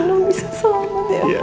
ino bisa selamat ya pak